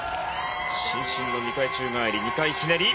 伸身の２回宙返り２回ひねり。